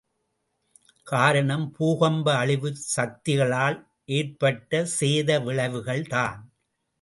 காரணம் பூகம்ப அழிவுச் சக்திகளால் ஏற்பட்ட சேத விளைவுகள் தான்.